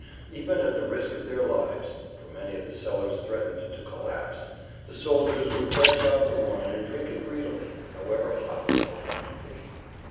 Even at the risk of their lives (for many of the cellars threatened to collapse) the soldiers would fetch out the wine and drink it greedily, however hot the wine might be.